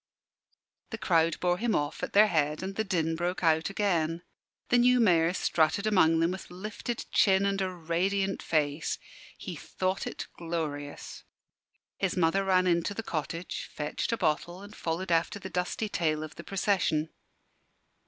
The crowd bore him off at their head, and the din broke out again. The new Mayor strutted among them with lifted chin and a radiant face. He thought it glorious. His mother ran into the cottage, fetched a bottle and followed after the dusty tail of the procession.